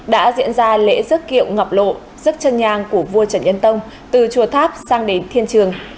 đã diễn ra lễ dước kiệu ngọc lộ giấc chân nhang của vua trần nhân tông từ chùa tháp sang đến thiên trường